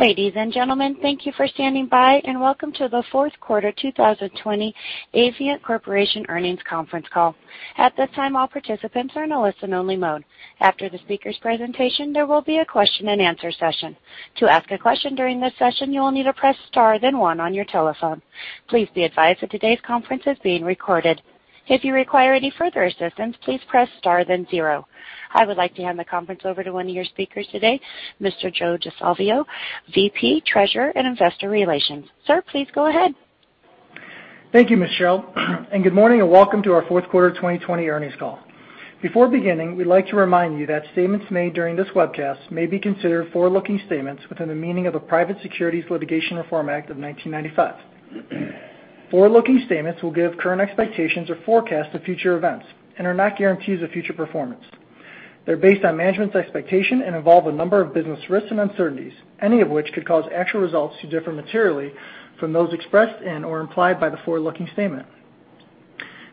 Ladies and gentlemen, thank you for standing by, and welcome to the Fourth Quarter 2020 Avient Corporation Earnings Conference Call. I would like to hand the conference over to one of your speakers today, Mr. Joe Di Salvo, VP, Treasurer, and Investor Relations. Sir, please go ahead. Thank you, Michelle. Good morning and welcome to our fourth quarter 2020 earnings call. Before beginning, we'd like to remind you that statements made during this webcast may be considered forward-looking statements within the meaning of the Private Securities Litigation Reform Act of 1995. Forward-looking statements will give current expectations or forecasts of future events and are not guarantees of future performance. They're based on management's expectations and involve a number of business risks and uncertainties, any of which could cause actual results to differ materially from those expressed and/or implied by the forward-looking statement.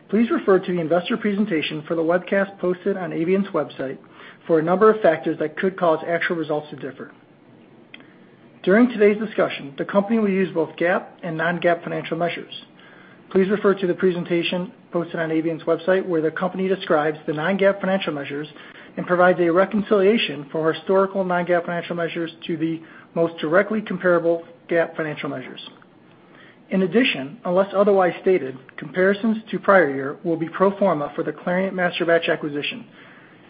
Please refer to the investor presentation for the webcast posted on Avient's website for a number of factors that could cause actual results to differ. During today's discussion, the company will use both GAAP and non-GAAP financial measures. Please refer to the presentation posted on Avient's website, where the company describes the non-GAAP financial measures and provides a reconciliation for historical non-GAAP financial measures to the most directly comparable GAAP financial measures. In addition, unless otherwise stated, comparisons to the prior year will be pro forma for the Clariant Masterbatch acquisition,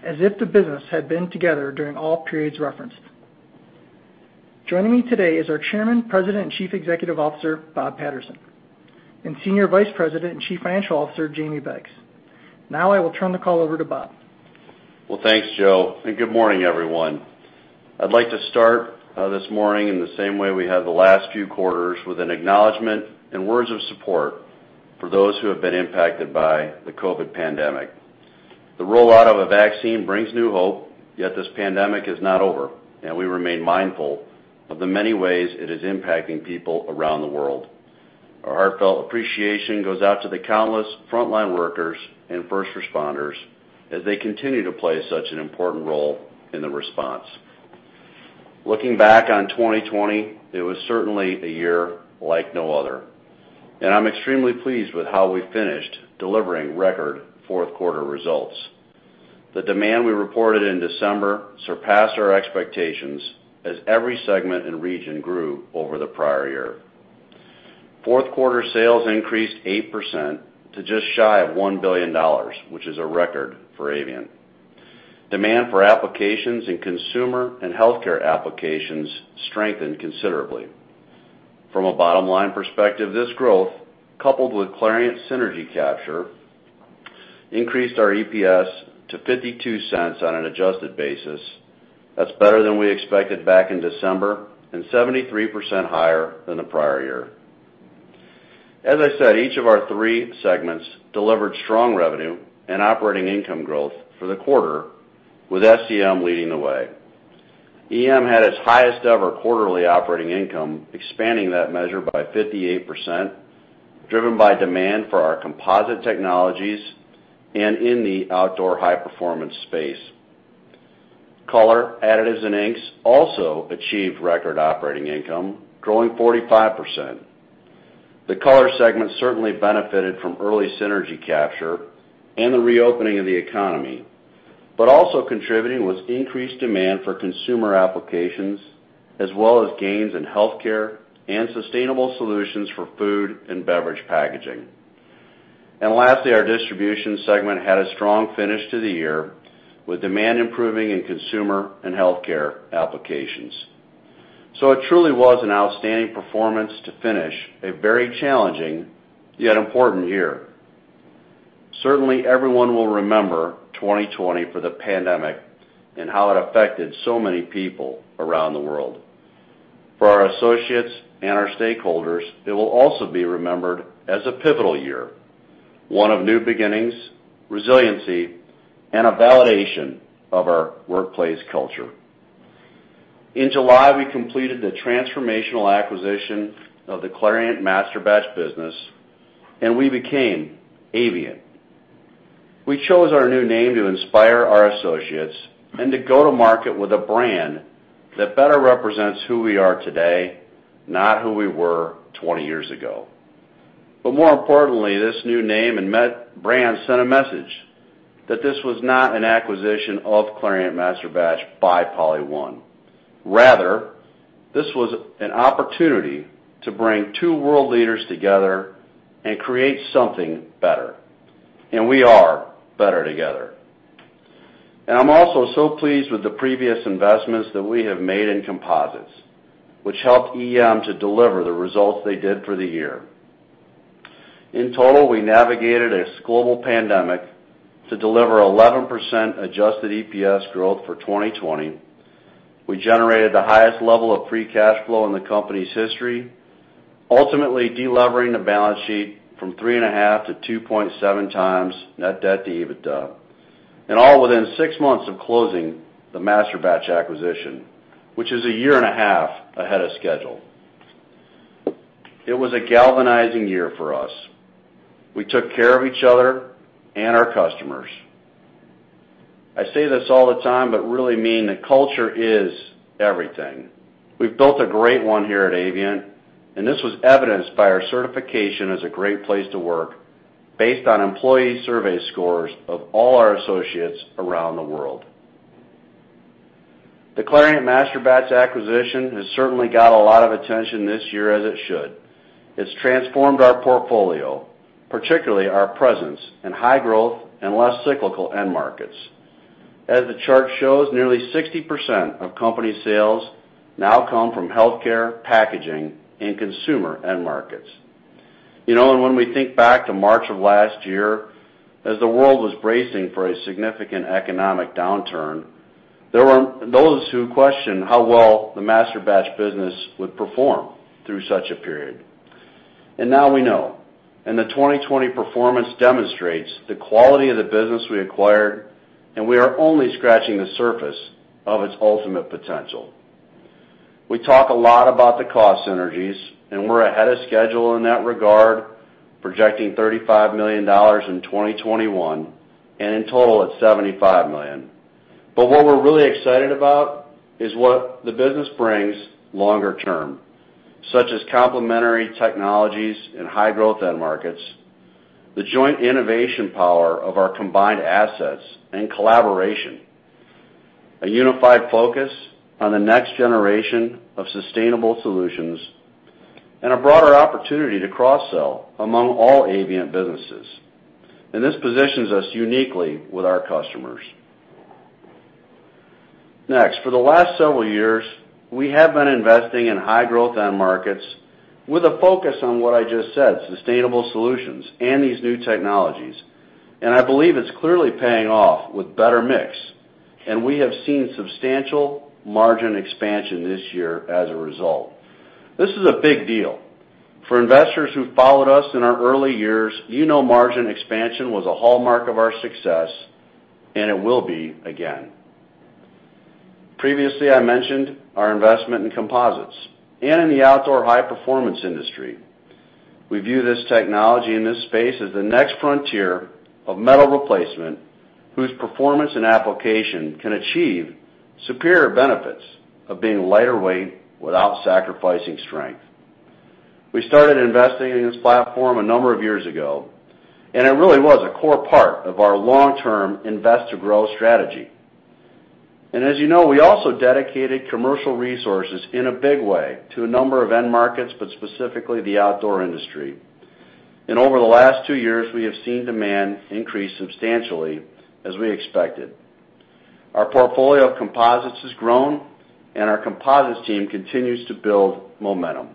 as if the business had been together during all periods referenced. Joining me today is our Chairman, President, and Chief Executive Officer, Bob Patterson, and Senior Vice President and Chief Financial Officer, Jamie Beggs. Now I will turn the call over to Bob. Well, thanks, Joe, and good morning, everyone. I'd like to start this morning in the same way we have the last few quarters, with an acknowledgment and words of support for those who have been impacted by the COVID pandemic. The rollout of a vaccine brings new hope, yet this pandemic is not over, and we remain mindful of the many ways it is impacting people around the world. Our heartfelt appreciation goes out to the countless frontline workers and first responders as they continue to play such an important role in the response. Looking back on 2020, it was certainly a year like no other, and I'm extremely pleased with how we finished delivering record fourth-quarter results. The demand we reported in December surpassed our expectations as every segment and region grew over the prior year. Fourth quarter sales increased 8% to just shy of $1 billion, which is a record for Avient. Demand for applications in consumer and healthcare applications strengthened considerably. From a bottom-line perspective, this growth, coupled with Clariant synergy capture, increased our EPS to $0.52 on an adjusted basis. That's better than we expected back in December and 73% higher than the prior year. As I said, each of our three segments delivered strong revenue and operating income growth for the quarter, with SEM leading the way. EM had its highest ever quarterly operating income, expanding that measure by 58%, driven by demand for our composite technologies and in the outdoor high-performance space. Color, Additives, and Inks also achieved record operating income, growing 45%. The Color segment certainly benefited from early synergy capture and the reopening of the economy. Also contributing was increased demand for consumer applications, as well as gains in healthcare and sustainable solutions for food and beverage packaging. Lastly, our distribution segment had a strong finish to the year with demand improving in consumer and healthcare applications. It truly was an outstanding performance to finish a very challenging, yet important year. Certainly, everyone will remember 2020 for the pandemic and how it affected so many people around the world. For our associates and our stakeholders, it will also be remembered as a pivotal year, one of new beginnings, resiliency, and a validation of our workplace culture. In July, we completed the transformational acquisition of the Clariant Masterbatch business, and we became Avient. We chose our new name to inspire our associates and to go to market with a brand that better represents who we are today, not who we were 20 years ago. More importantly, this new name and brand sent a message that this was not an acquisition of Clariant Masterbatch by PolyOne. Rather, this was an opportunity to bring two world leaders together and create something better, and we are better together. I'm also so pleased with the previous investments that we have made in composites, which helped EM to deliver the results they did for the year. In total, we navigated a global pandemic to deliver 11% adjusted EPS growth for 2020. We generated the highest level of free cash flow in the company's history, ultimately delevering the balance sheet from 3.5x to 2.7x net debt to EBITDA, and all within six months of closing the Masterbatch acquisition, which is a year and a half ahead of schedule. It was a galvanizing year for us. We took care of each other and our customers. I say this all the time, but really mean that culture is everything. We've built a great one here at Avient, and this was evidenced by our certification as a great place to work based on employee survey scores of all our associates around the world. The Clariant Masterbatches acquisition has certainly got a lot of attention this year, as it should. It's transformed our portfolio, particularly our presence in high growth and less cyclical end markets. As the chart shows, nearly 60% of company sales now come from healthcare, packaging, and consumer end markets. When we think back to March of last year, as the world was bracing for a significant economic downturn, there were those who questioned how well the Masterbatch business would perform through such a period. Now we know. The 2020 performance demonstrates the quality of the business we acquired, and we are only scratching the surface of its ultimate potential. We talk a lot about the cost synergies, and we're ahead of schedule in that regard, projecting $35 million in 2021, and in total, it's $75 million. What we're really excited about is what the business brings longer term, such as complementary technologies in high growth end markets, the joint innovation power of our combined assets and collaboration, a unified focus on the next generation of sustainable solutions, and a broader opportunity to cross-sell among all Avient businesses. This positions us uniquely with our customers. For the last several years, we have been investing in high growth end markets with a focus on what I just said, sustainable solutions and these new technologies, and I believe it's clearly paying off with better mix, and we have seen substantial margin expansion this year as a result. This is a big deal. For investors who followed us in our early years, you know margin expansion was a hallmark of our success, and it will be again. Previously, I mentioned our investment in composites and in the outdoor high performance industry. We view this technology and this space as the next frontier of metal replacement, whose performance and application can achieve superior benefits of being lighter weight without sacrificing strength. We started investing in this platform a number of years ago, and it really was a core part of our long-term invest to grow strategy. As you know, we also dedicated commercial resources in a big way to a number of end markets, but specifically the outdoor industry. Over the last two years, we have seen demand increase substantially as we expected. Our portfolio of composites has grown, and our composites team continues to build momentum.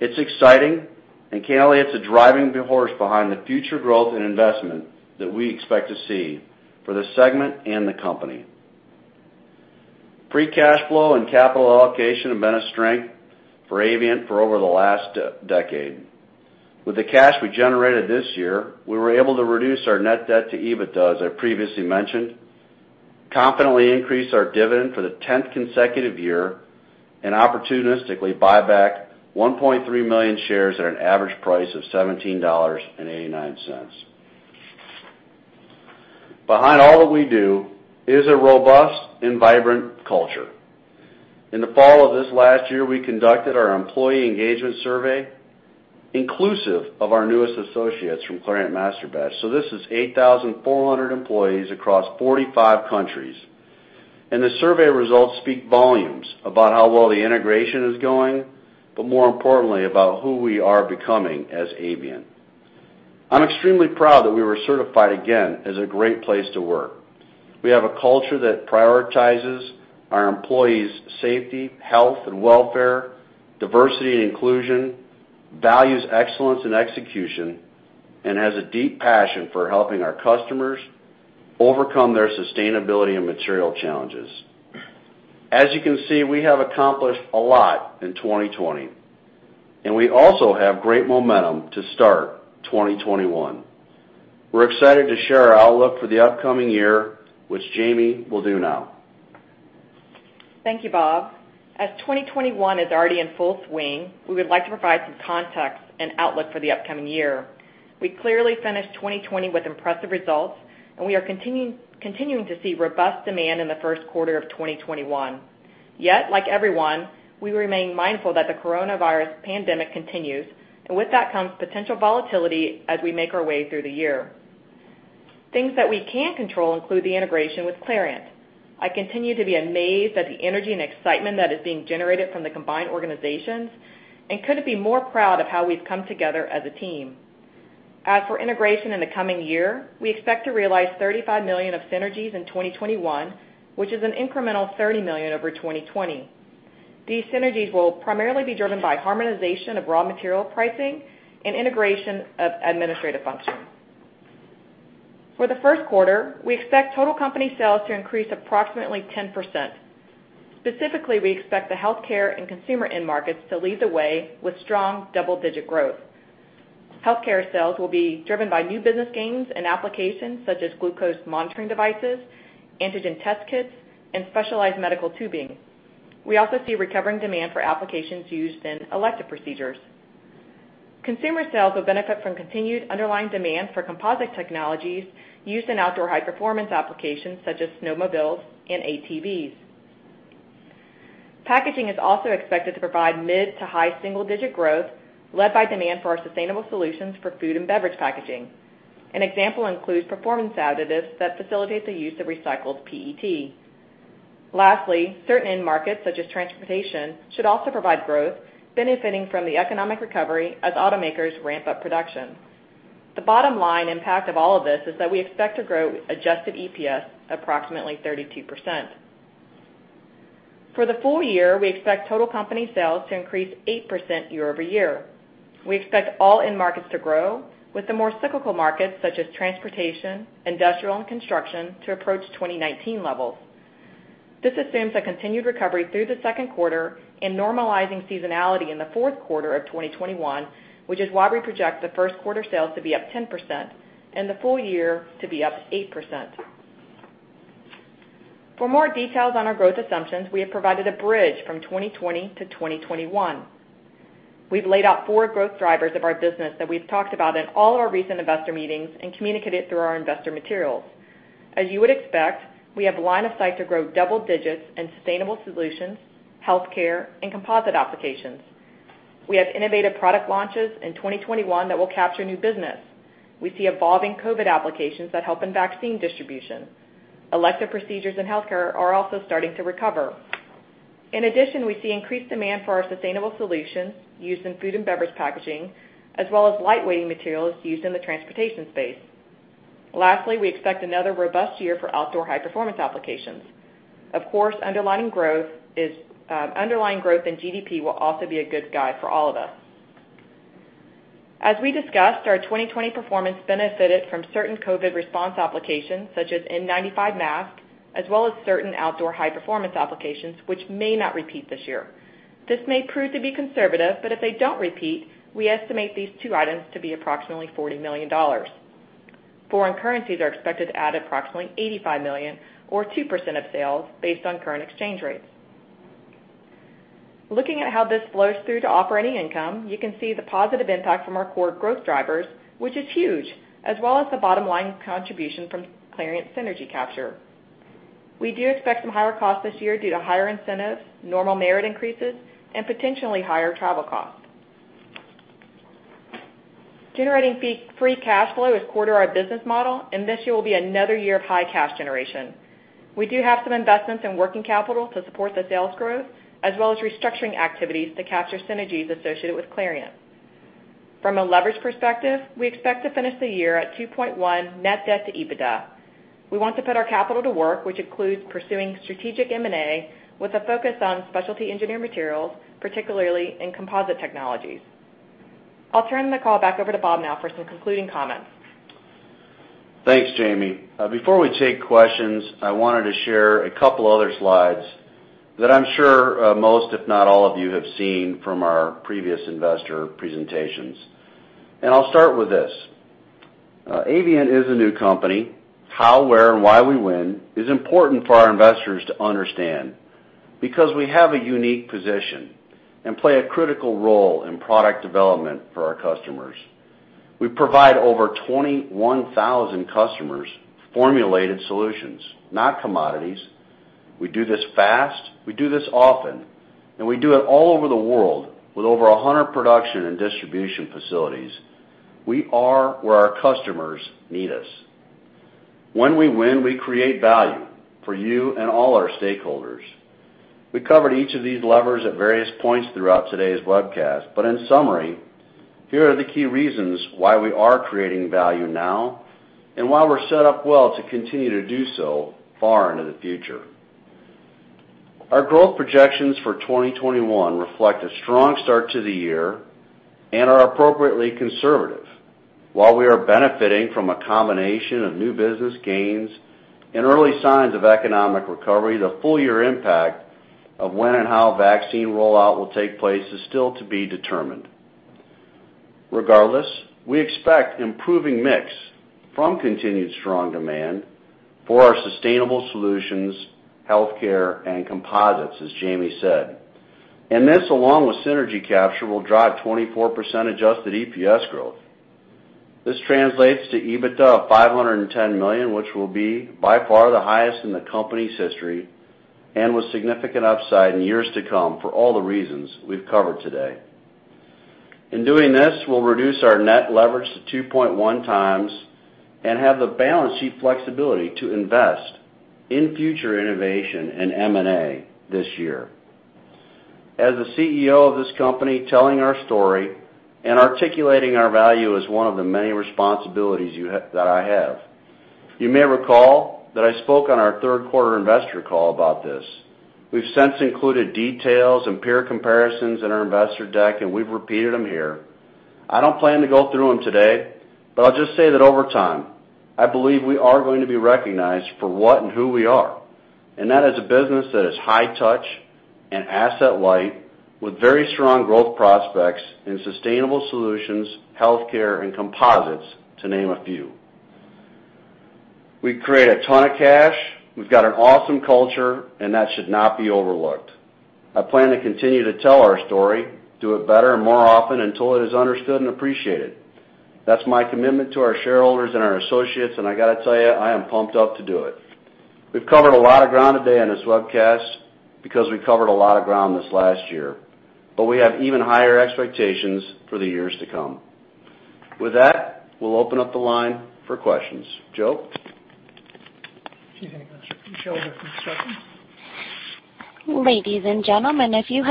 It's exciting, and candidly, it's a driving force behind the future growth and investment that we expect to see for the segment and the company. Free cash flow and capital allocation have been a strength for Avient for over the last decade. With the cash we generated this year, we were able to reduce our net debt to EBITDA, as I previously mentioned, confidently increase our dividend for the 10th consecutive year, and opportunistically buy back 1.3 million shares at an average price of $17.89. Behind all that we do is a robust and vibrant culture. In the fall of this last year, we conducted our employee engagement survey, inclusive of our newest associates from Clariant Masterbatch. This is 8,400 employees across 45 countries. The survey results speak volumes about how well the integration is going, but more importantly, about who we are becoming as Avient. I'm extremely proud that we were certified again as a great place to work. We have a culture that prioritizes our employees' safety, health, and welfare, diversity and inclusion, values excellence and execution, and has a deep passion for helping our customers overcome their sustainability and material challenges. As you can see, we have accomplished a lot in 2020, and we also have great momentum to start 2021. We're excited to share our outlook for the upcoming year, which Jamie will do now. Thank you, Bob. As 2021 is already in full swing, we would like to provide some context and outlook for the upcoming year. We clearly finished 2020 with impressive results, and we are continuing to see robust demand in the first quarter of 2021. Yet, like everyone, we remain mindful that the coronavirus pandemic continues, and with that comes potential volatility as we make our way through the year. Things that we can control include the integration with Clariant. I continue to be amazed at the energy and excitement that is being generated from the combined organizations and couldn't be more proud of how we've come together as a team. As for integration in the coming year, we expect to realize $35 million of synergies in 2021, which is an incremental $30 million over 2020. These synergies will primarily be driven by harmonization of raw material pricing and integration of administrative functions. For the first quarter, we expect total company sales to increase approximately 10%. Specifically, we expect the healthcare and consumer end markets to lead the way with strong double-digit growth. Healthcare sales will be driven by new business gains and applications such as glucose monitoring devices, antigen test kits, and specialized medical tubing. We also see recovering demand for applications used in elective procedures. Consumer sales will benefit from continued underlying demand for composite technologies used in outdoor high-performance applications such as snowmobiles and ATVs. Packaging is also expected to provide mid to high single-digit growth, led by demand for our sustainable solutions for food and beverage packaging. An example includes performance additives that facilitate the use of recycled PET. Lastly, certain end markets, such as transportation, should also provide growth, benefiting from the economic recovery as automakers ramp up production. The bottom line impact of all of this is that we expect to grow adjusted EPS approximately 32%. For the full year, we expect total company sales to increase 8% year-over-year. We expect all end markets to grow with the more cyclical markets, such as transportation, industrial, and construction, to approach 2019 levels. This assumes a continued recovery through the second quarter and normalizing seasonality in the fourth quarter of 2021, which is why we project the first quarter sales to be up 10% and the full year to be up 8%. For more details on our growth assumptions, we have provided a bridge from 2020 to 2021. We've laid out four growth drivers of our business that we've talked about in all our recent investor meetings and communicated through our investor materials. As you would expect, we have line of sight to grow double digits in sustainable solutions, healthcare, and composite applications. We have innovative product launches in 2021 that will capture new business. We see evolving COVID applications that help in vaccine distribution. Elective procedures in healthcare are also starting to recover. In addition, we see increased demand for our sustainable solutions used in food and beverage packaging, as well as lightweighting materials used in the transportation space. Lastly, we expect another robust year for outdoor high-performance applications. Of course, underlying growth in GDP will also be a good guide for all of us. As we discussed, our 2020 performance benefited from certain COVID response applications such as N95 masks, as well as certain outdoor high-performance applications, which may not repeat this year. This may prove to be conservative, but if they don't repeat, we estimate these two items to be approximately $40 million. Foreign currencies are expected to add approximately $85 million or 2% of sales based on current exchange rates. Looking at how this flows through to operating income, you can see the positive impact from our core growth drivers, which is huge, as well as the bottom line contribution from Clariant synergy capture. We do expect some higher costs this year due to higher incentives, normal merit increases, and potentially higher travel costs. Generating free cash flow is core to our business model, and this year will be another year of high cash generation. We do have some investments in working capital to support the sales growth, as well as restructuring activities to capture synergies associated with Clariant. From a leverage perspective, we expect to finish the year at 2.1x net debt to EBITDA. We want to put our capital to work, which includes pursuing strategic M&A with a focus on Specialty Engineered Materials, particularly in composite technologies. I'll turn the call back over to Bob now for some concluding comments. Thanks, Jamie. Before we take questions, I wanted to share a couple other slides that I'm sure most, if not all of you, have seen from our previous investor presentations. I'll start with this. Avient is a new company. How, where, and why we win is important for our investors to understand because we have a unique position and play a critical role in product development for our customers. We provide over 21,000 customers formulated solutions, not commodities. We do this fast, we do this often, and we do it all over the world with over 100 production and distribution facilities. We are where our customers need us. When we win, we create value for you and all our stakeholders. We covered each of these levers at various points throughout today's webcast, but in summary, here are the key reasons why we are creating value now and why we're set up well to continue to do so far into the future. Our growth projections for 2021 reflect a strong start to the year and are appropriately conservative. While we are benefiting from a combination of new business gains and early signs of economic recovery, the full year impact of when and how vaccine rollout will take place is still to be determined. Regardless, we expect improving mix from continued strong demand for our sustainable solutions, healthcare, and composites, as Jamie said. This, along with synergy capture, will drive 24% adjusted EPS growth. This translates to EBITDA of $510 million, which will be by far the highest in the company's history and with significant upside in years to come for all the reasons we've covered today. In doing this, we'll reduce our net leverage to 2.1x and have the balance sheet flexibility to invest in future innovation and M&A this year. As the CEO of this company, telling our story and articulating our value is one of the many responsibilities that I have. You may recall that I spoke on our third quarter investor call about this. We've since included details and peer comparisons in our investor deck, and we've repeated them here. I don't plan to go through them today, but I'll just say that over time, I believe we are going to be recognized for what and who we are. That is a business that is high touch and asset light with very strong growth prospects in sustainable solutions, healthcare, and composites, to name a few. We create a ton of cash. We've got an awesome culture, and that should not be overlooked. I plan to continue to tell our story, do it better and more often until it is understood and appreciated. That's my commitment to our shareholders and our associates, and I got to tell you, I am pumped up to do it. We've covered a lot of ground today on this webcast because we covered a lot of ground this last year, but we have even higher expectations for the years to come. With that, we'll open up the line for questions. Joe? Can you hang on just a second?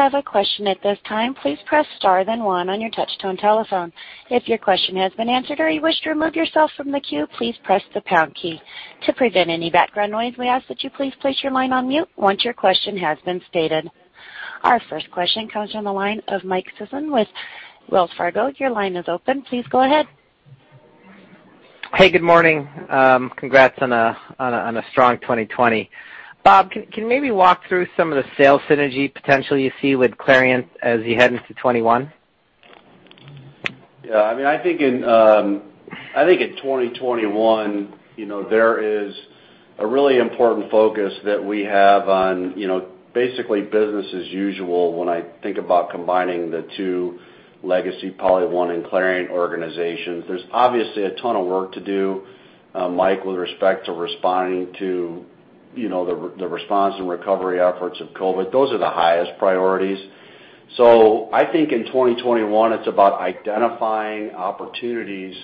Our first question comes from the line of Mike Sison with Wells Fargo. Your line is open. Please go ahead. Hey, good morning. Congrats on a strong 2020. Bob, can you maybe walk through some of the sales synergy potential you see with Clariant as you head into 2021? I think in 2021, there is a really important focus that we have on basically business as usual when I think about combining the two legacy PolyOne and Clariant organizations. There's obviously a ton of work to do, Mike, with respect to responding to the response and recovery efforts of COVID. Those are the highest priorities. I think in 2021, it's about identifying opportunities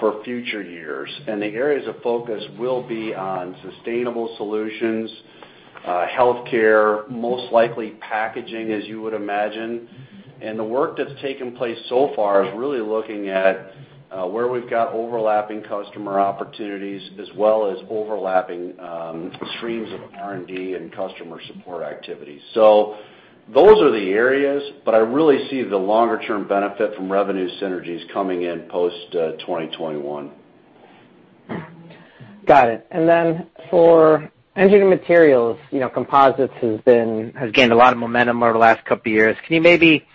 for future years, and the areas of focus will be on sustainable solutions, healthcare, most likely packaging, as you would imagine. The work that's taken place so far is really looking at where we've got overlapping customer opportunities as well as overlapping streams of R&D and customer support activities. Those are the areas, but I really see the longer-term benefit from revenue synergies coming in post 2021. Got it. For engineering materials, composites has gained a lot of momentum over the last couple of years. Can you maybe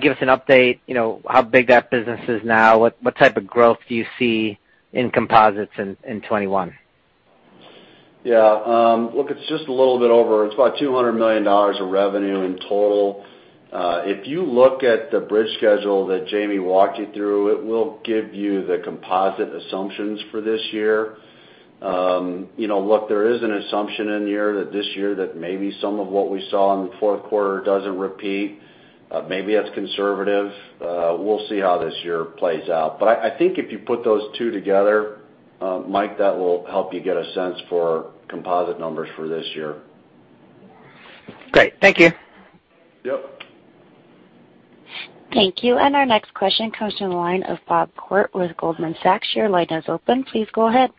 give us an update, how big that business is now? What type of growth do you see in composites in 2021? Yeah. Look, it's just a little bit over, it's about $200 million of revenue in total. If you look at the bridge schedule that Jamie walked you through, it will give you the composite assumptions for this year. Look, there is an assumption in here that this year that maybe some of what we saw in the fourth quarter doesn't repeat. Maybe that's conservative. We'll see how this year plays out. I think if you put those two together, Mike, that will help you get a sense for composite numbers for this year. Great. Thank you. Yep. Thank you. Our next question comes from the line of Bob Koort with Goldman Sachs. Your line is open. Please go ahead.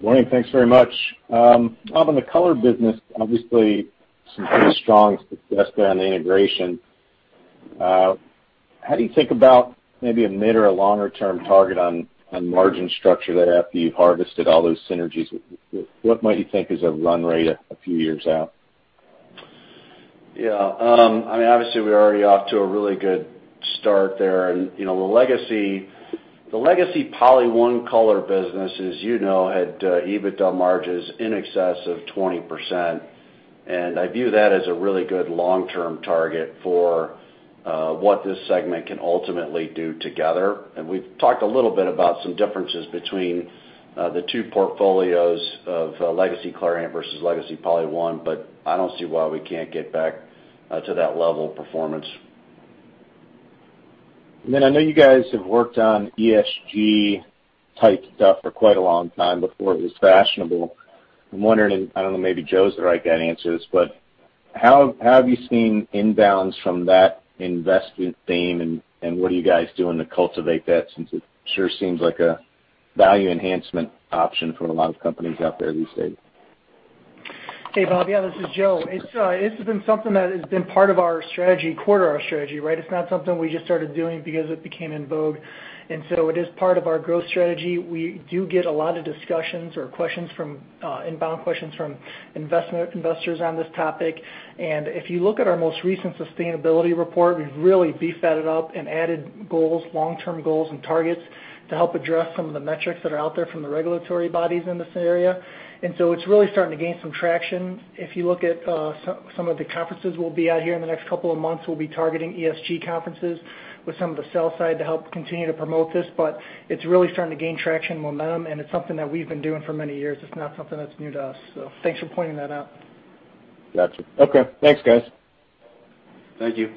Morning. Thanks very much. Bob, in the color business, obviously some pretty strong success there on the integration. How do you think about maybe a mid or a longer-term target on margin structure there after you've harvested all those synergies? What might you think is a run rate a few years out? Yeah. Obviously, we're already off to a really good start there. The legacy PolyOne Color business, as you know, had EBITDA margins in excess of 20%, and I view that as a really good long-term target for what this segment can ultimately do together. We've talked a little bit about some differences between the two portfolios of legacy Clariant versus legacy PolyOne, but I don't see why we can't get back to that level of performance. I know you guys have worked on ESG-type stuff for quite a long time before it was fashionable. I'm wondering, I don't know, maybe Joe is the right guy to answer this, but how have you seen inbounds from that investment theme, and what are you guys doing to cultivate that since it sure seems like a value enhancement option for a lot of companies out there these days? Hey, Bob. Yeah, this is Joe. It's been something that has been part of our strategy, core to our strategy, right? It's not something we just started doing because it became en vogue, it is part of our growth strategy. We do get a lot of discussions or inbound questions from investors on this topic. If you look at our most recent sustainability report, we've really beefed that up and added goals, long-term goals, and targets to help address some of the metrics that are out there from the regulatory bodies in this area. It is really starting to gain some traction. If you look at some of the conferences we'll be at here in the next couple of months, we'll be targeting ESG conferences with some of the sell side to help continue to promote this. It's really starting to gain traction and momentum, and it's something that we've been doing for many years. It's not something that's new to us. Thanks for pointing that out. Got you. Okay. Thanks, guys. Thank you.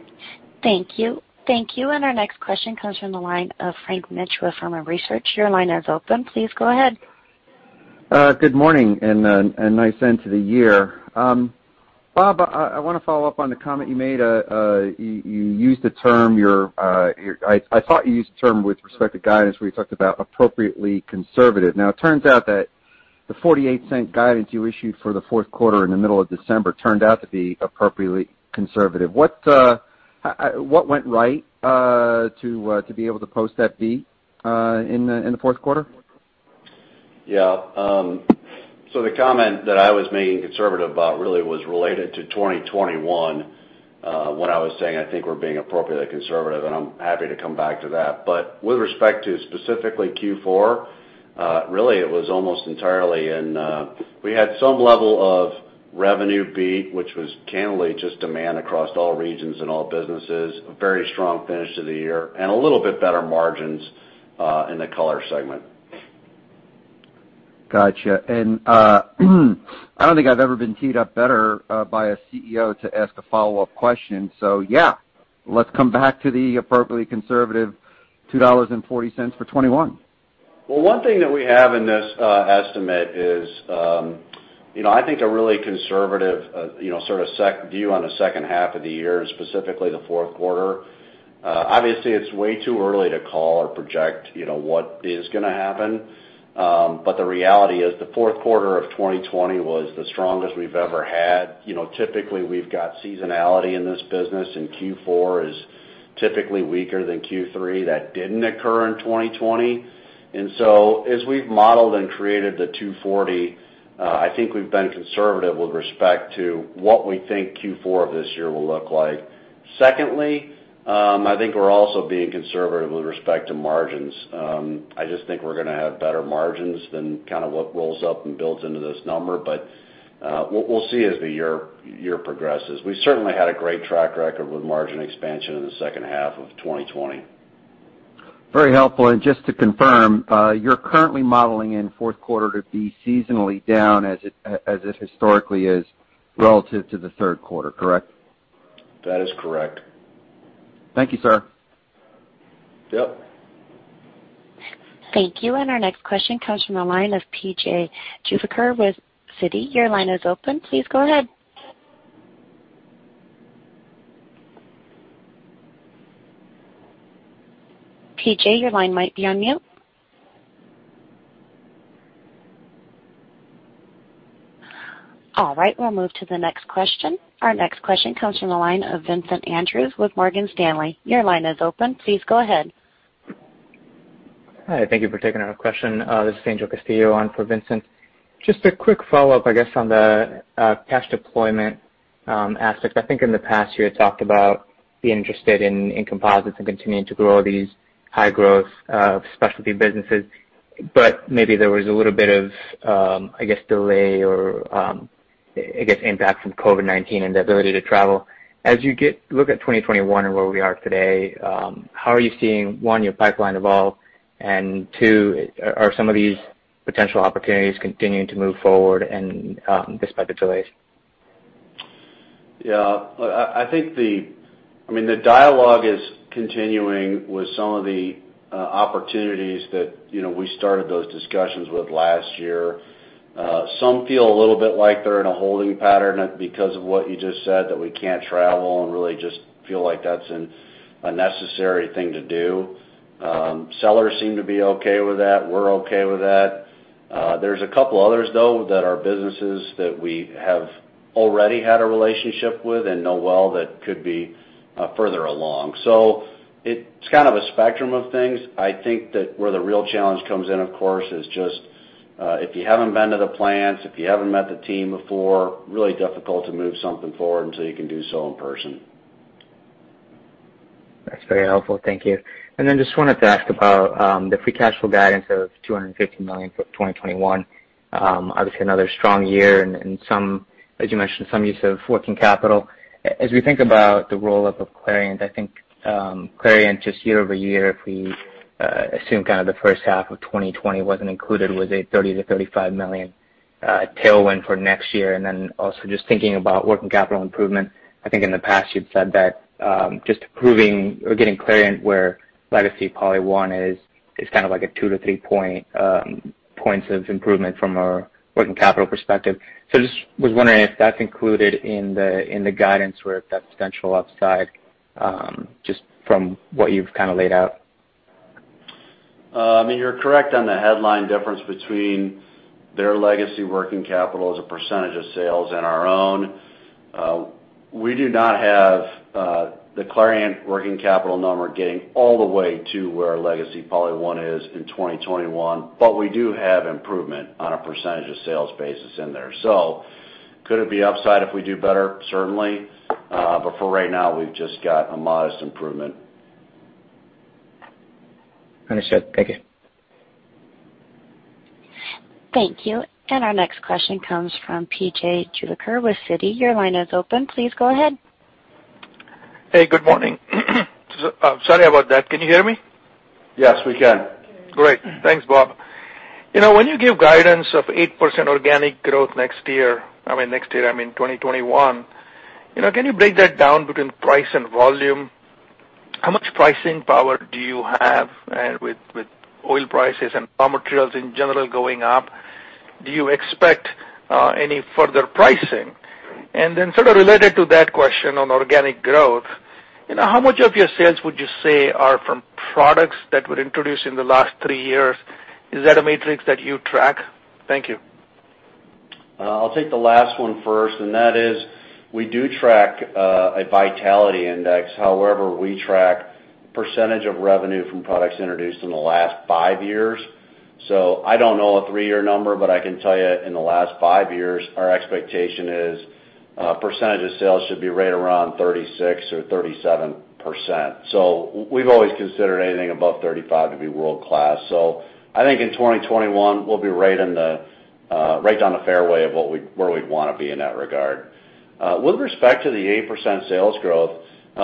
Thank you. Thank you. Our next question comes from the line of Frank Mitsch from Fermium Research. Your line is open. Please go ahead. Good morning, a nice end to the year. Bob, I want to follow up on the comment you made. You used the term, I thought you used the term with respect to guidance, where you talked about appropriately conservative. It turns out that the $0.48 guidance you issued for the fourth quarter in the middle of December turned out to be appropriately conservative. What went right to be able to post that beat in the fourth quarter? The comment that I was being conservative about really was related to 2021, when I was saying I think we're being appropriately conservative, and I'm happy to come back to that. With respect to specifically Q4, We had some level of revenue beat, which was candidly just demand across all regions and all businesses, a very strong finish to the year, and a little bit better margins in the Color segment. Got you. I don't think I've ever been teed up better by a CEO to ask a follow-up question. Yeah, let's come back to the appropriately conservative $2.40 for 2021. Well, one thing that we have in this estimate is I think a really conservative sort of view on the second half of the year, and specifically the fourth quarter. Obviously, it's way too early to call or project what is going to happen. The reality is the fourth quarter of 2020 was the strongest we've ever had. Typically, we've got seasonality in this business, and Q4 is typically weaker than Q3. That didn't occur in 2020. As we've modeled and created the $2.40, I think we've been conservative with respect to what we think Q4 of this year will look like. Secondly, I think we're also being conservative with respect to margins. I just think we're going to have better margins than kind of what rolls up and builds into this number. We'll see as the year progresses. We've certainly had a great track record with margin expansion in the second half of 2020. Very helpful. Just to confirm, you're currently modeling in fourth quarter to be seasonally down as it historically is relative to the third quarter, correct? That is correct. Thank you, sir. Yep. Thank you. Our next question comes from the line of P.J. Juvekar with Citi. Your line is open. Please go ahead. P.J., your line might be on mute. We'll move to the next question. Our next question comes from the line of Vincent Andrews with Morgan Stanley. Your line is open. Please go ahead. Hi, thank you for taking our question. This is Angel Castillo on for Vincent. Just a quick follow-up, I guess, on the cash deployment aspect. I think in the past you had talked about being interested in composites and continuing to grow these high-growth specialty businesses. Maybe there was a little bit of, I guess, delay or, I guess, impact from COVID-19 and the ability to travel. As you look at 2021 and where we are today, how are you seeing, one, your pipeline evolve, and two, are some of these potential opportunities continuing to move forward and despite the delays? The dialogue is continuing with some of the opportunities that we started those discussions with last year. Some feel a little bit like they're in a holding pattern because of what you just said, that we can't travel and really just feel like that's a necessary thing to do. Sellers seem to be okay with that. We're okay with that. There's a couple others, though, that are businesses that we have already had a relationship with and know well that could be further along. It's kind of a spectrum of things. I think that where the real challenge comes in, of course, is just if you haven't been to the plants, if you haven't met the team before, really difficult to move something forward until you can do so in person. That's very helpful. Thank you. Just wanted to ask about the free cash flow guidance of $250 million for 2021. Obviously another strong year and as you mentioned, some use of working capital. As we think about the roll-up of Clariant, I think Clariant just year-over-year, if we assume kind of the first half of 2020 wasn't included, was a $30 million-$35 million tailwind for next year. Also just thinking about working capital improvement, I think in the past you've said that just proving or getting Clariant where legacy PolyOne is kind of like a two to three points of improvement from a working capital perspective. Just was wondering if that's included in the guidance where that potential upside, just from what you've kind of laid out? You're correct on the headline difference between their legacy working capital as a percentage of sales and our own. We do not have the Clariant working capital number getting all the way to where our legacy PolyOne is in 2021. We do have improvement on a percentage of sales basis in there. Could it be upside if we do better? Certainly. For right now, we've just got a modest improvement. Understood. Thank you. Thank you. Our next question comes from P.J. Juvekar with Citi. Your line is open. Please go ahead. Hey, good morning. Sorry about that. Can you hear me? Yes, we can. Great. Thanks, Bob. When you give guidance of 8% organic growth next year, I mean next year, I mean 2021. Can you break that down between price and volume? How much pricing power do you have with oil prices and raw materials in general going up? Do you expect any further pricing? Sort of related to that question on organic growth, how much of your sales would you say are from products that were introduced in the last three years? Is that a matrix that you track? Thank you. I'll take the last one first. That is we do track a vitality index. However, we track percentage of revenue from products introduced in the last five years. I don't know a three-year number, but I can tell you in the last five years, our expectation is percentage of sales should be right around 36% or 37%. We've always considered anything above 35% to be world-class. I think in 2021, we'll be right down the fairway of where we'd want to be in that regard. With respect to the 8% sales growth,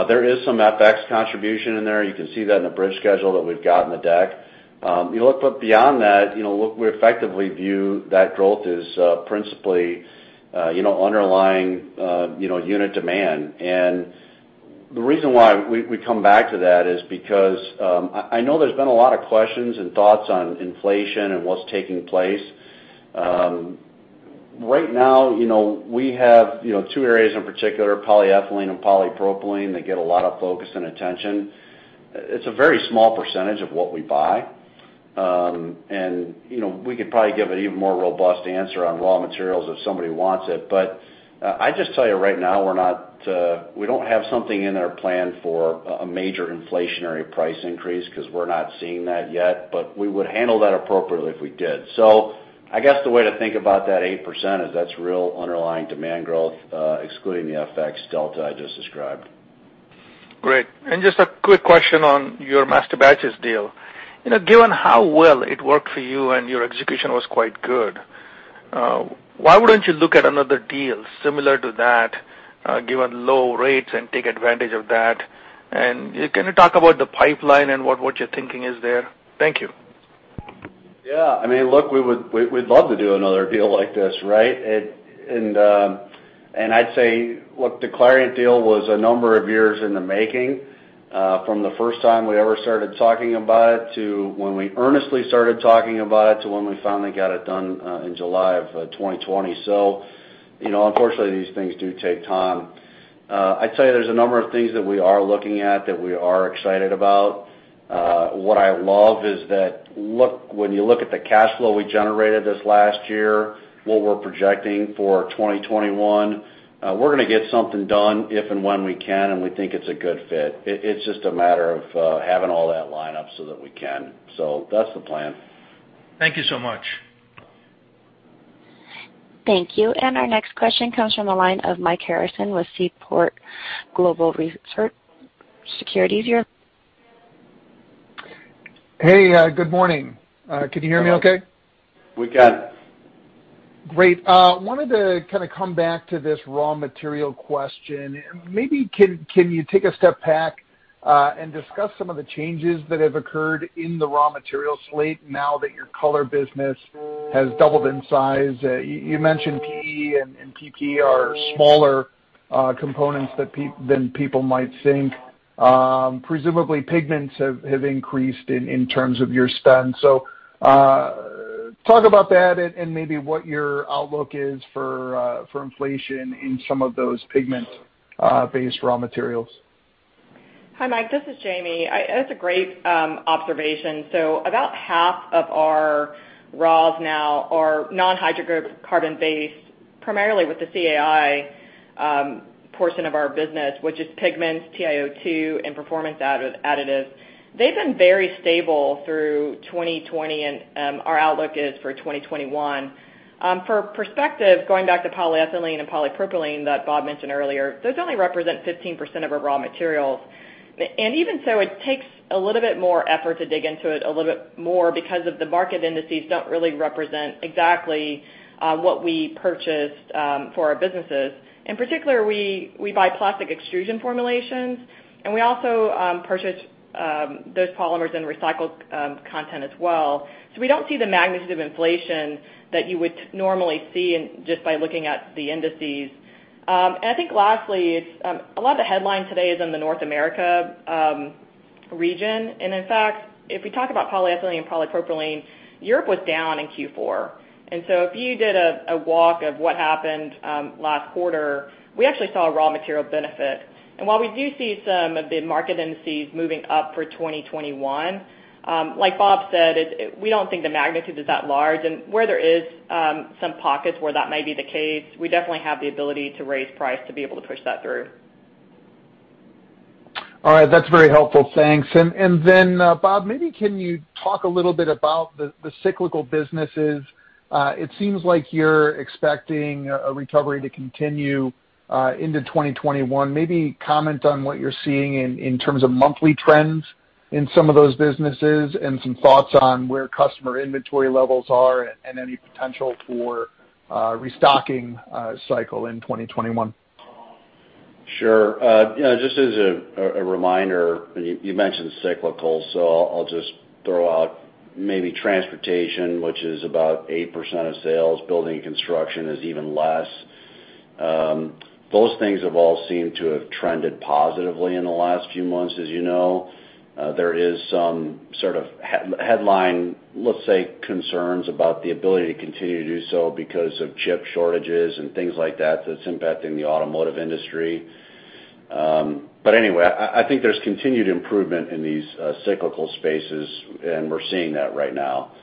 there is some FX contribution in there. You can see that in the bridge schedule that we've got in the deck. You look beyond that, we effectively view that growth as principally underlying unit demand. The reason why we come back to that is because I know there's been a lot of questions and thoughts on inflation and what's taking place. Right now, we have two areas in particular, polyethylene and polypropylene, that get a lot of focus and attention. It's a very small percentage of what we buy. We could probably give an even more robust answer on raw materials if somebody wants it. I just tell you right now, we don't have something in our plan for a major inflationary price increase because we're not seeing that yet. We would handle that appropriately if we did. I guess the way to think about that 8% is that's real underlying demand growth, excluding the FX delta I just described. Great. Just a quick question on your Masterbatches deal. Given how well it worked for you and your execution was quite good, why wouldn't you look at another deal similar to that given low rates and take advantage of that? Can you talk about the pipeline and what your thinking is there? Thank you. Yeah. Look, we'd love to do another deal like this, right? I'd say the Clariant deal was a number of years in the making from the first time we ever started talking about it, to when we earnestly started talking about it, to when we finally got it done in July of 2020. Unfortunately, these things do take time. I'd tell you there's a number of things that we are looking at that we are excited about. What I love is that when you look at the cash flow we generated this last year, what we're projecting for 2021, we're going to get something done if and when we can, and we think it's a good fit. It's just a matter of having all that line up so that we can. That's the plan. Thank you so much. Thank you. Our next question comes from the line of Mike Harrison with Seaport Global Securities. Hey, good morning. Can you hear me okay? We can. Great. Wanted to come back to this raw material question. Maybe can you take a step back and discuss some of the changes that have occurred in the raw material slate now that your color business has doubled in size? You mentioned PE and PP are smaller components than people might think. Presumably, pigments have increased in terms of your spend. Talk about that and maybe what your outlook is for inflation in some of those pigment-based raw materials. Hi, Mike, this is Jamie. That's a great observation. About half of our raws now are non-hydrocarbon-based, primarily with the CAI portion of our business, which is pigments, TiO2, and performance additives. They've been very stable through 2020, and our outlook is for 2021. For perspective, going back to polyethylene and polypropylene that Bob mentioned earlier, those only represent 15% of our raw materials. Even so, it takes a little bit more effort to dig into it a little bit more because of the market indices don't really represent exactly what we purchased for our businesses. In particular, we buy plastic extrusion formulations, and we also purchase those polymers in recycled content as well. We don't see the magnitude of inflation that you would normally see just by looking at the indices. I think lastly, a lot of the headline today is in the North America region. In fact, if we talk about polyethylene and polypropylene, Europe was down in Q4. If you did a walk of what happened last quarter, we actually saw a raw material benefit. While we do see some of the market indices moving up for 2021, like Bob said, we don't think the magnitude is that large. Where there is some pockets where that may be the case, we definitely have the ability to raise price to be able to push that through. All right. That's very helpful. Thanks. Bob, maybe can you talk a little bit about the cyclical businesses? It seems like you're expecting a recovery to continue into 2021. Maybe comment on what you're seeing in terms of monthly trends in some of those businesses and some thoughts on where customer inventory levels are and any potential for restocking cycle in 2021. Sure. Just as a reminder, you mentioned cyclical, so I'll just throw out maybe transportation, which is about 8% of sales. Building and construction is even less. Those things have all seemed to have trended positively in the last few months, as you know. There is some sort of headline, let's say, concerns about the ability to continue to do so because of chip shortages and things like that that's impacting the automotive industry. Anyway, I think there's continued improvement in these cyclical spaces, and we're seeing that right now.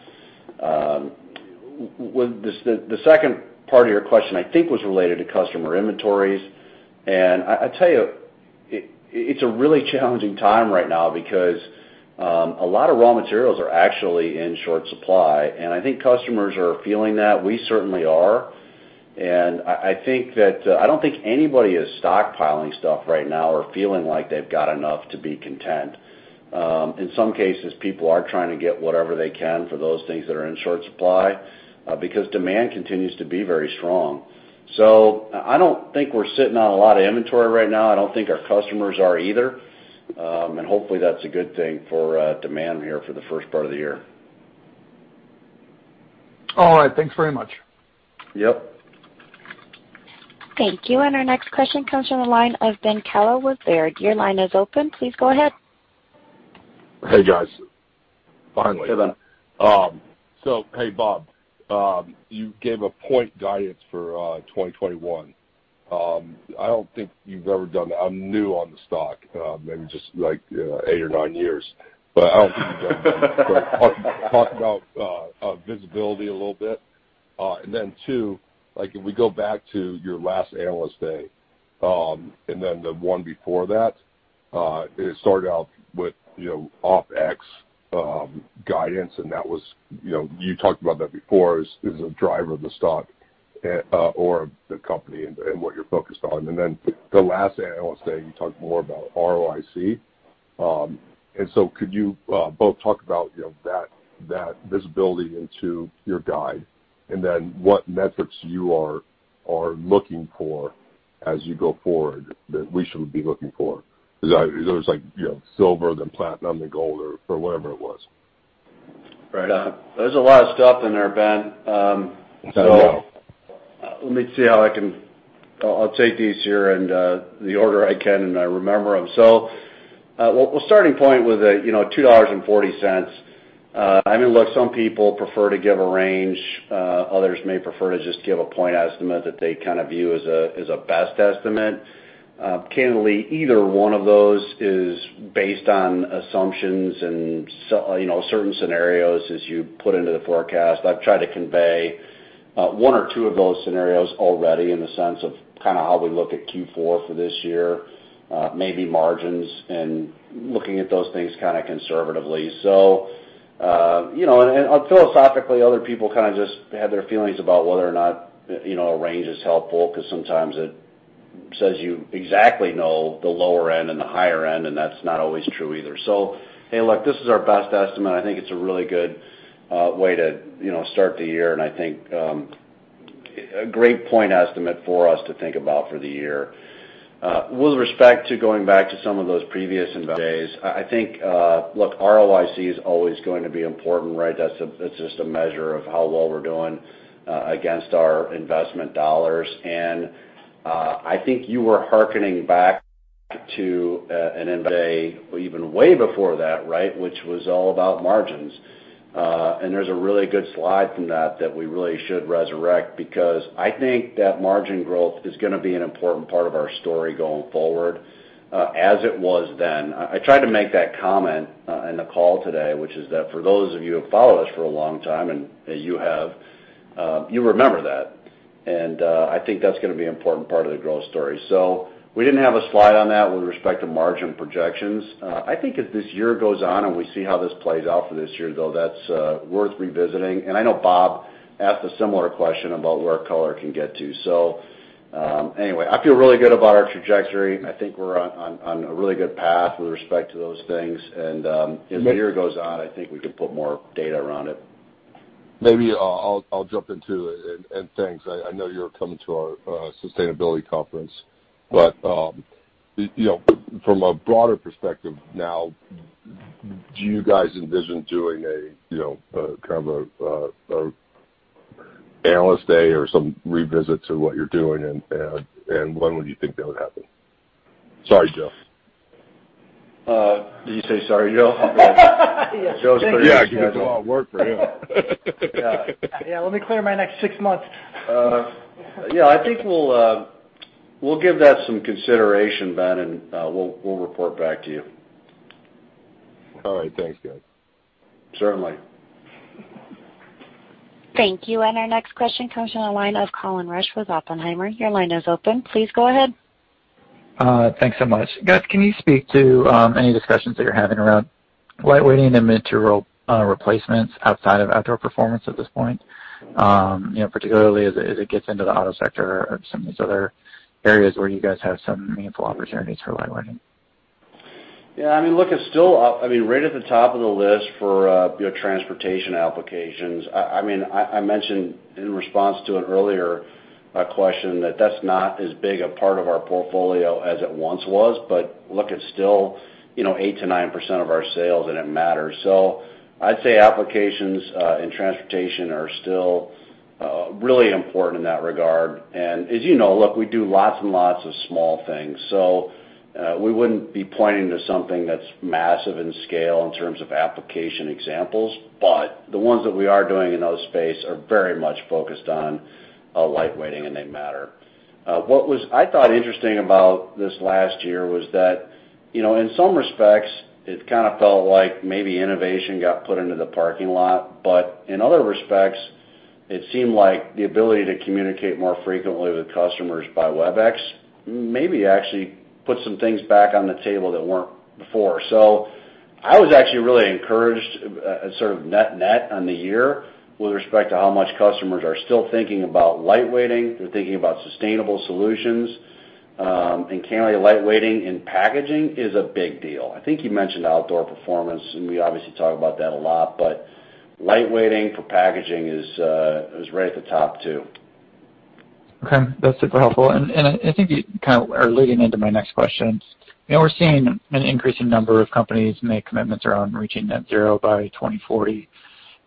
The second part of your question, I think, was related to customer inventories. I tell you, it's a really challenging time right now because a lot of raw materials are actually in short supply, and I think customers are feeling that. We certainly are. I don't think anybody is stockpiling stuff right now or feeling like they've got enough to be content. In some cases, people are trying to get whatever they can for those things that are in short supply because demand continues to be very strong. I don't think we're sitting on a lot of inventory right now. I don't think our customers are either. Hopefully that's a good thing for demand here for the first part of the year. All right. Thanks very much. Yep. Thank you. Our next question comes from the line of Ben Kallo with Baird. Your line is open. Please go ahead. Hey, guys. Hey, Ben. Hey, Bob. You gave a point guidance for 2021. I don't think you've ever done that. I'm new on the stock, maybe just eight or nine years. I don't think you've done that. Talk about visibility a little bit. Then two, if we go back to your last Analyst Day, then the one before that, it started out with OpEx guidance, and you talked about that before as a driver of the stock or the company and what you're focused on. Then the last Analyst Day, you talked more about ROIC. Could you both talk about that visibility into your guide, then what metrics you are looking for as you go forward that we should be looking for? Because there's silver, then platinum, then gold, or whatever it was. Right. There's a lot of stuff in there, Ben. There's a lot. Let me see how I can I'll take these here in the order I can and I remember them. Well, starting point with $2.40. I mean, look, some people prefer to give a range, others may prefer to just give a point estimate that they view as a best estimate. Candidly, either one of those is based on assumptions and certain scenarios as you put into the forecast. I've tried to convey one or two of those scenarios already in the sense of how we look at Q4 for this year, maybe margins, and looking at those things kind of conservatively. Philosophically, other people kind of just have their feelings about whether or not a range is helpful, because sometimes it says you exactly know the lower end and the higher end, and that's not always true either. Hey, look, this is our best estimate, and I think it's a really good way to start the year, and I think a great point estimate for us to think about for the year. With respect to going back to some of those previous Investor Days, I think, look, ROIC is always going to be important, right? That's just a measure of how well we're doing against our investment dollars. I think you were hearkening back to an Investor Day or even way before that, right, which was all about margins. There's a really good slide from that that we really should resurrect because I think that margin growth is going to be an important part of our story going forward, as it was then. I tried to make that comment in the call today, which is that for those of you who've followed us for a long time, and you have, you remember that. I think that's going to be an important part of the growth story. We didn't have a slide on that with respect to margin projections. I think as this year goes on and we see how this plays out for this year, though, that's worth revisiting. I know Bob asked a similar question about where color can get to. Anyway, I feel really good about our trajectory. I think we're on a really good path with respect to those things. As the year goes on, I think we can put more data around it. Maybe I'll jump in, too. Thanks. I know you're coming to our sustainability conference. From a broader perspective now, do you guys envision doing a kind of an Analyst Day or some revisit to what you're doing, and when would you think that would happen? Sorry, Joe. Did you say sorry, Joe? Yes. Joe's pretty essential. Yeah, because it's a lot of work for him. Yeah. Let me clear my next six months. I think we'll give that some consideration, Ben, and we'll report back to you. All right. Thanks, guys. Certainly. Thank you. Our next question comes from the line of Colin Rusch with Oppenheimer. Your line is open. Please go ahead. Thanks so much. Guys, can you speak to any discussions that you're having around lightweighting and material replacements outside of outdoor performance at this point? Particularly as it gets into the auto sector or some of these other areas where you guys have some meaningful opportunities for lightweighting. Yeah, look, it's still right at the top of the list for transportation applications. I mentioned in response to an earlier question that that's not as big a part of our portfolio as it once was. Look, it's still 8%-9% of our sales and it matters. I'd say applications in transportation are still really important in that regard. As you know, look, we do lots and lots of small things. We wouldn't be pointing to something that's massive in scale in terms of application examples, but the ones that we are doing in those space are very much focused on lightweighting, and they matter. What was, I thought, interesting about this last year was that, in some respects, it kind of felt like maybe innovation got put into the parking lot. In other respects-It seemed like the ability to communicate more frequently with customers by Webex maybe actually put some things back on the table that weren't before. I was actually really encouraged sort of net on the year with respect to how much customers are still thinking about lightweighting. They're thinking about sustainable solutions. Lightweighting in packaging is a big deal. I think you mentioned outdoor performance, and we obviously talk about that a lot, but lightweighting for packaging is right at the top, too. Okay, that's super helpful. I think you kind of are leading into my next question. We're seeing an increasing number of companies make commitments around reaching net zero by 2040.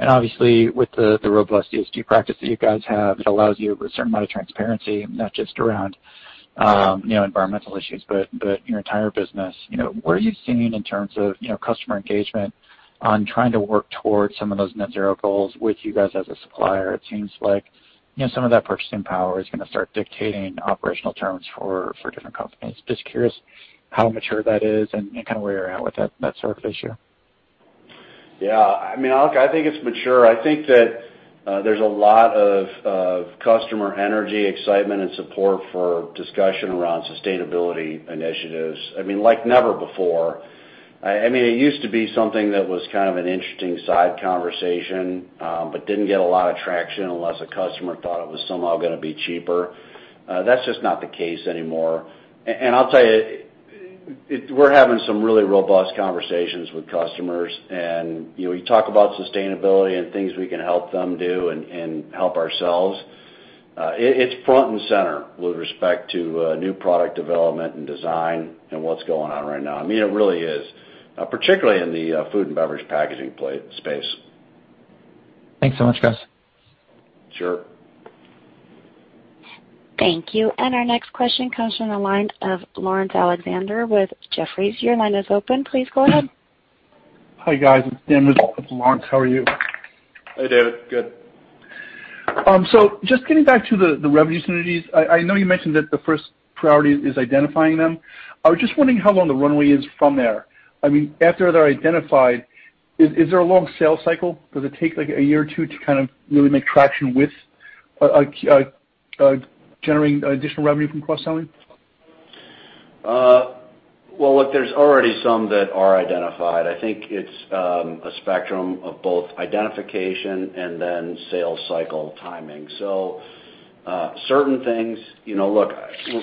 Obviously, with the robust ESG practice that you guys have, it allows you a certain amount of transparency, not just around environmental issues, but your entire business. What are you seeing in terms of customer engagement on trying to work towards some of those net zero goals with you guys as a supplier? It seems like some of that purchasing power is going to start dictating operational terms for different companies. Just curious how mature that is and kind of where you're at with that sort of issue. Yeah. I think it's mature. I think that there's a lot of customer energy, excitement, and support for discussion around sustainability initiatives like never before. It used to be something that was kind of an interesting side conversation, but didn't get a lot of traction unless a customer thought it was somehow going to be cheaper. That's just not the case anymore. I'll tell you, we're having some really robust conversations with customers, and we talk about sustainability and things we can help them do and help ourselves. It's front and center with respect to new product development and design and what's going on right now. It really is, particularly in the food and beverage packaging space. Thanks so much, Guys. Sure. Thank you. Our next question comes from the line of Laurence Alexander with Jefferies. Your line is open. Please go ahead. Hi, guys. It's Dan on for Laurence. How are you? Hey, Dan. Good. Just getting back to the revenue synergies. I know you mentioned that the first priority is identifying them. I was just wondering how long the runway is from there. After they're identified, is there a long sales cycle? Does it take, like, a year or two to kind of really make traction with generating additional revenue from cross-selling? Well, look, there's already some that are identified. I think it's a spectrum of both identification and then sales cycle timing. Look,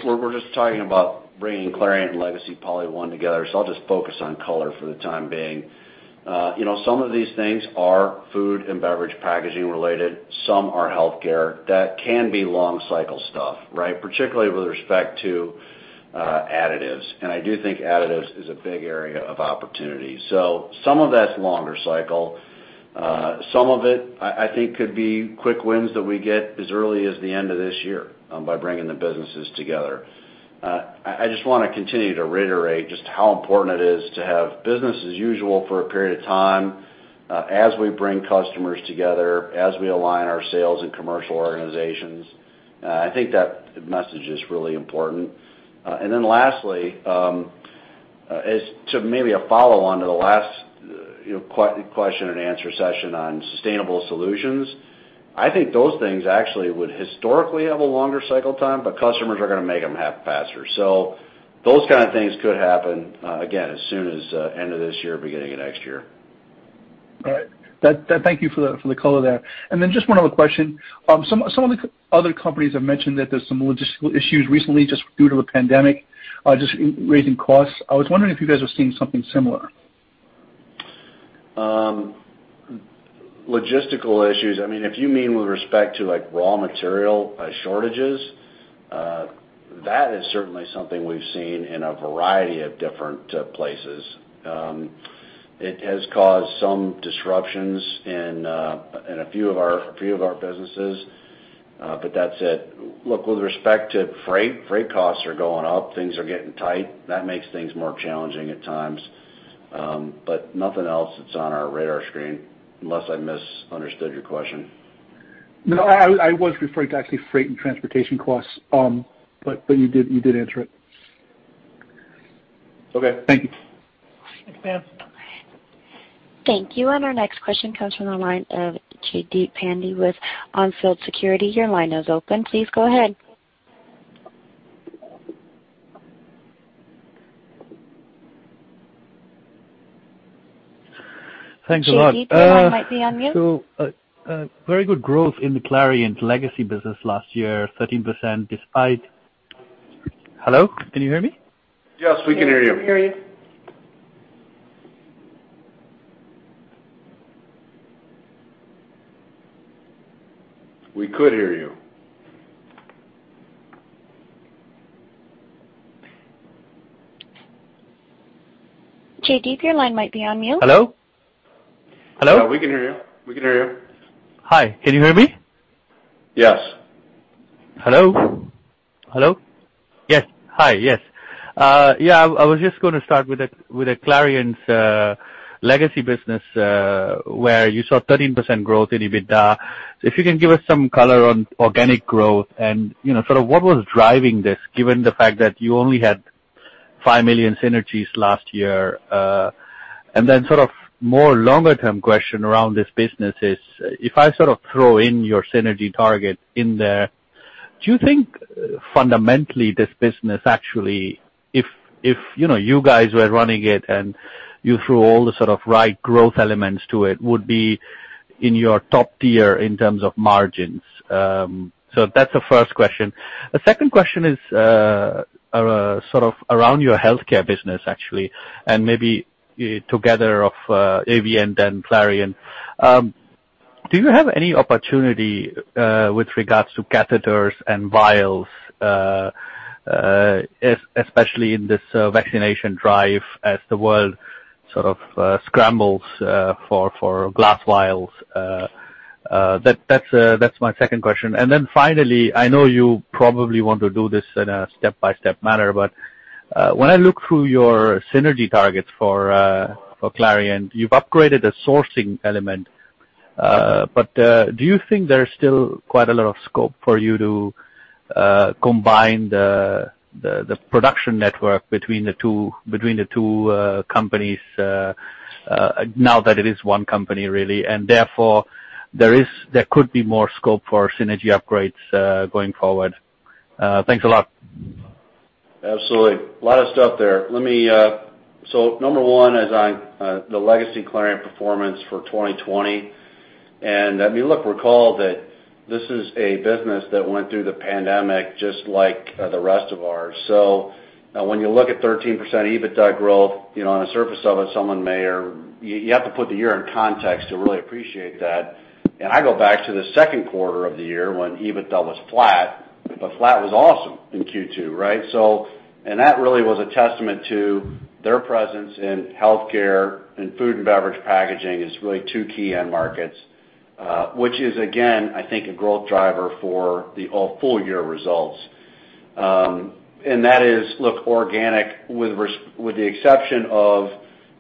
we're just talking about bringing Clariant and legacy PolyOne together, so I'll just focus on color for the time being. Some of these things are food and beverage packaging related, some are healthcare. That can be long cycle stuff, right? Particularly with respect to additives. I do think additives is a big area of opportunity. Some of that's longer cycle. Some of it, I think, could be quick wins that we get as early as the end of this year by bringing the businesses together. I just want to continue to reiterate just how important it is to have business as usual for a period of time as we bring customers together, as we align our sales and commercial organizations. I think that message is really important. Lastly, to maybe a follow-on to the last question and answer session on sustainable solutions, I think those things actually would historically have a longer cycle time, but customers are going to make them happen faster. Those kind of things could happen again as soon as end of this year, beginning of next year. All right. Thank you for the color there. Just one other question. Some of the other companies have mentioned that there is some logistical issues recently just due to the pandemic, just raising costs. I was wondering if you guys are seeing something similar. Logistical issues. If you mean with respect to raw material shortages, that is certainly something we've seen in a variety of different places. It has caused some disruptions in a few of our businesses, but that's it. Look, with respect to freight costs are going up. Things are getting tight. That makes things more challenging at times. Nothing else that's on our radar screen, unless I misunderstood your question. No, I was referring to actually freight and transportation costs, but you did answer it. Okay. Thank you. Thanks, Dan. Thank you. Our next question comes from the line of Jaideep Pandya with On Field Investment Research. Your line is open. Please go ahead. Thanks a lot. Jaideep, your line might be on mute. Very good growth in the Clariant legacy business last year, 13%. Hello? Can you hear me? Yes, we can hear you. Yes, we can hear you. We could hear you. Jaideep, your line might be on mute. Hello? We can hear you. We can hear you. Hi. Can you hear me? Yes. Hello? Hello? Yes. Hi. Yes. I was just going to start with the Clariant legacy business, where you saw 13% growth in EBITDA. If you can give us some color on organic growth and sort of what was driving this, given the fact that you only had $5 million synergies last year. Then sort of more longer term question around this business is, if I sort of throw in your synergy target in there, do you think fundamentally this business actually, if you guys were running it and you threw all the sort of right growth elements to it, would be in your top tier in terms of margins? That's the first question. The second question is sort of around your healthcare business, actually, and maybe together of Avient and Clariant. Do you have any opportunity with regards to catheters and vials, especially in this vaccination drive as the world sort of scrambles for glass vials? That's my second question. Finally, I know you probably want to do this in a step-by-step manner, but when I look through your synergy targets for Clariant, you've upgraded the sourcing element. Do you think there's still quite a lot of scope for you to combine the production network between the two companies, now that it is one company, really, and therefore there could be more scope for synergy upgrades going forward? Thanks a lot. Absolutely. A lot of stuff there. Number one is on the legacy Clariant performance for 2020. Look, recall that this is a business that went through the pandemic just like the rest of ours. When you look at 13% EBITDA growth, on the surface of it, you have to put the year in context to really appreciate that. I go back to the second quarter of the year when EBITDA was flat, but flat was awesome in Q2, right? That really was a testament to their presence in healthcare and food and beverage packaging is really two key end markets, which is, again, I think a growth driver for the full-year results. That is organic with the exception of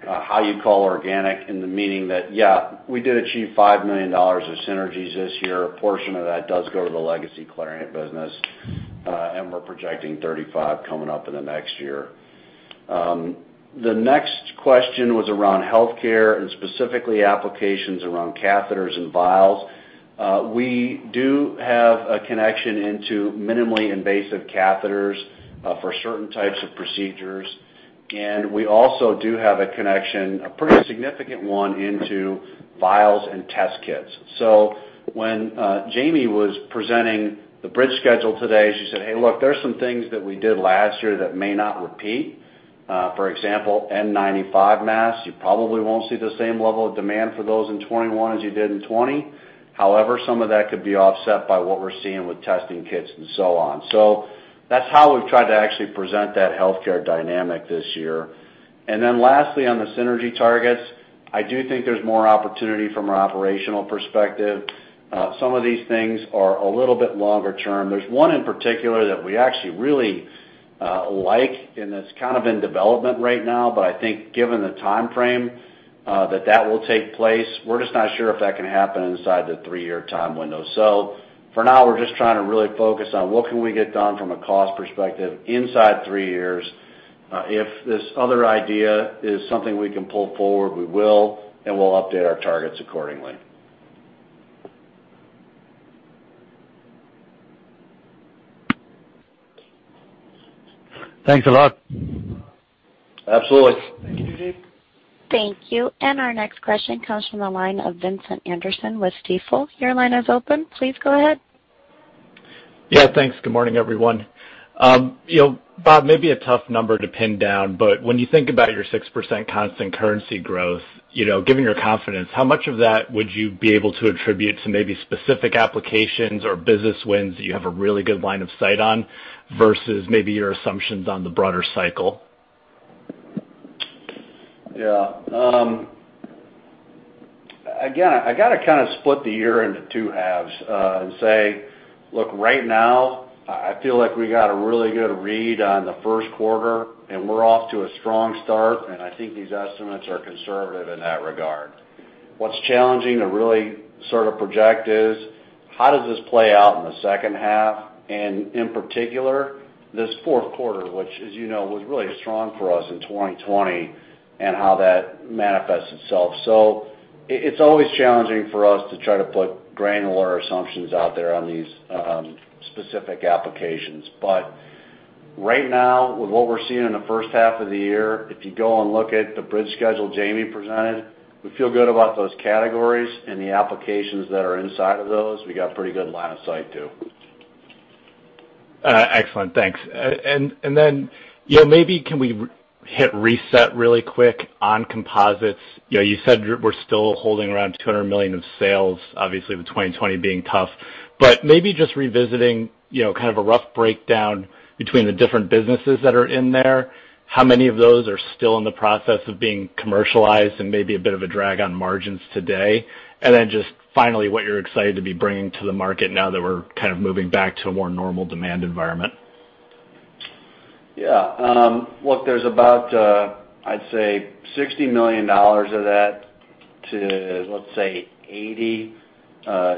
how you call organic in the meaning that, yeah, we did achieve $5 million of synergies this year. A portion of that does go to the legacy Clariant business. We're projecting 35 coming up in the next year. The next question was around healthcare and specifically applications around catheters and vials. We do have a connection into minimally invasive catheters for certain types of procedures, and we also do have a connection, a pretty significant one, into vials and test kits. When Jamie was presenting the bridge schedule today, she said, "Hey, look, there's some things that we did last year that may not repeat. For example, N95 masks, you probably won't see the same level of demand for those in 2021 as you did in 2020. Some of that could be offset by what we're seeing with testing kits and so on." That's how we've tried to actually present that healthcare dynamic this year. Lastly, on the synergy targets, I do think there's more opportunity from an operational perspective. Some of these things are a little bit longer term. There's one in particular that we actually really like, and it's kind of in development right now, but I think given the timeframe that will take place, we're just not sure if that can happen inside the three-year time window. For now, we're just trying to really focus on what can we get done from a cost perspective inside three years. If this other idea is something we can pull forward, we will, and we'll update our targets accordingly. Thanks a lot. Absolutely. Thank you. Our next question comes from the line of Vincent Anderson with Stifel. Your line is open. Please go ahead. Yeah, thanks. Good morning, everyone. Bob, maybe a tough number to pin down, but when you think about your 6% constant currency growth, given your confidence, how much of that would you be able to attribute to maybe specific applications or business wins that you have a really good line of sight on versus maybe your assumptions on the broader cycle? Yeah. Again, I got to kind of split the year into two halves and say, look, right now, I feel like we got a really good read on the first quarter and we're off to a strong start, and I think these estimates are conservative in that regard. What's challenging to really sort of project is how does this play out in the second half, and in particular, this fourth quarter, which as you know, was really strong for us in 2020 and how that manifests itself. It's always challenging for us to try to put granular assumptions out there on these specific applications. Right now, with what we're seeing in the first half of the year, if you go and look at the bridge schedule Jamie presented, we feel good about those categories and the applications that are inside of those. We got pretty good line of sight, too. Excellent. Thanks. Then maybe can we hit reset really quick on composites? You said we're still holding around $200 million of sales, obviously with 2020 being tough. Maybe just revisiting kind of a rough breakdown between the different businesses that are in there, how many of those are still in the process of being commercialized and maybe a bit of a drag on margins today? Then just finally, what you're excited to be bringing to the market now that we're kind of moving back to a more normal demand environment. Look, there's about, I'd say $60 million of that to, let's say, $80 million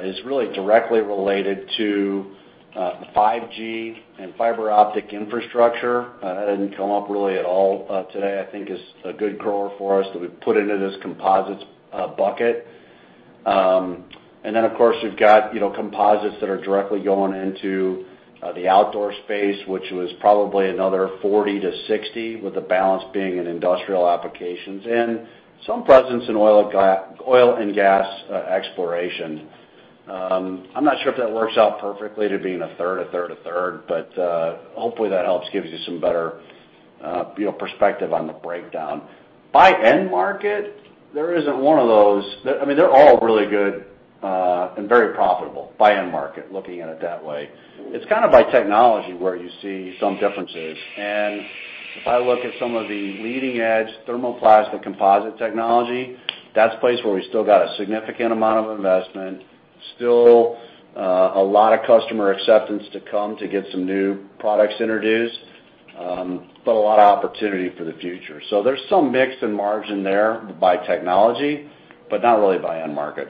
is really directly related to the 5G and fiber optic infrastructure. That didn't come up really at all today. I think is a good grower for us that we put into this composites bucket. Of course, we've got composites that are directly going into the outdoor space, which was probably another $40 million-$60 million, with the balance being in industrial applications, and some presence in oil and gas exploration. I'm not sure if that works out perfectly to being a third, a third, a third, hopefully that helps gives you some better perspective on the breakdown. By end market, there isn't one of those. They're all really good and very profitable by end market, looking at it that way. It's kind of by technology where you see some differences. If I look at some of the leading-edge thermoplastic composite technology, that's a place where we still got a significant amount of investment, still a lot of customer acceptance to come to get some new products introduced, but a lot of opportunity for the future. There's some mix and margin there by technology, but not really by end market.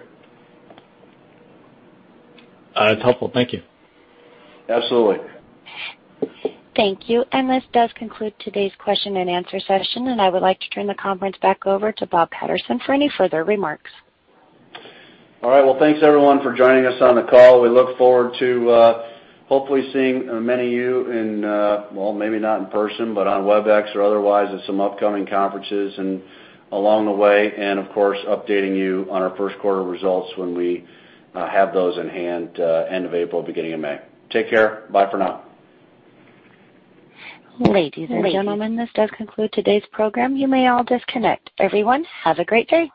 That's helpful. Thank you. Absolutely. Thank you. This does conclude today's question and answer session, and I would like to turn the conference back over to Bob Patterson for any further remarks. All right. Well, thanks everyone for joining us on the call. We look forward to hopefully seeing many of you in, well, maybe not in person, but on Webex or otherwise at some upcoming conferences and along the way, and of course, updating you on our first quarter results when we have those in hand end of April, beginning of May. Take care. Bye for now. Ladies and gentlemen, this does conclude today's program. You may all disconnect. Everyone, have a great day.